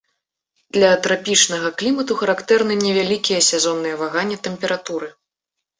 Для трапічнага клімату характэрны невялікія сезонныя ваганні тэмпературы.